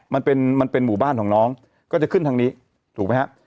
มันเป็นมันเป็นหมู่บ้านของน้องก็จะขึ้นทางนี้ถูกไหมฮะ